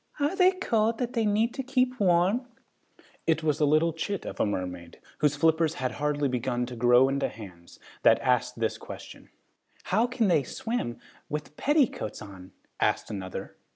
"Are they cold that they have to keep warm?" It was a little chit of a mermaid, whose flippers had hardly begun to grow into hands, that asked this question. "How can they swim with petticoats on?" asked another.